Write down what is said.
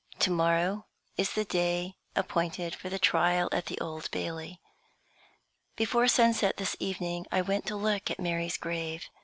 To morrow is the day appointed for the trial at the Old Bailey. Before sunset this evening I went to look at Mary's grave.